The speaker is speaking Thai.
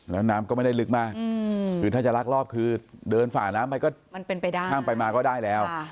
แล้วน้ำก็ไม่ได้ลึกมากคือถ้าจะลักลอบคือเดินฝ่าน้ำไปก็มันเป็นไปได้ห้ามไปมาก็ได้แล้ว